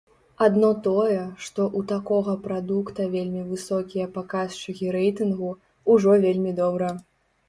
Адно тое, што ў такога прадукта вельмі высокія паказчыкі рэйтынгу, ужо вельмі добра.